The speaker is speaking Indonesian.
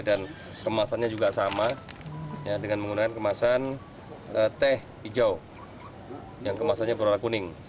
dan kemasannya juga sama dengan menggunakan kemasan teh hijau yang kemasannya berwarna kuning